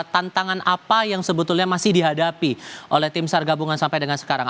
tantangan apa yang sebetulnya masih dihadapi oleh tim sar gabungan sampai dengan sekarang